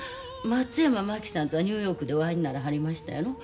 松山真紀さんとはニューヨークでお会いにならはりましたやろ。